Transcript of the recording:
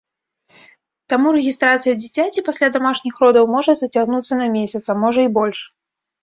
Таму рэгістрацыя дзіцяці пасля дамашніх родаў можа зацягнуцца на месяц, а можа, і больш.